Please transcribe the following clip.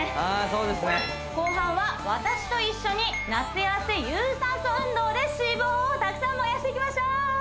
そうですね後半は私と一緒に夏痩せ有酸素運動で脂肪をたくさん燃やしていきましょう！